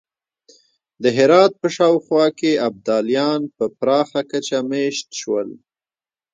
د هرات په شاوخوا کې ابدالیان په پراخه کچه مېشت شول.